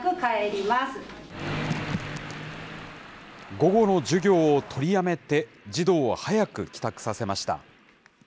午後の授業を取りやめて、児童を早く帰宅させました。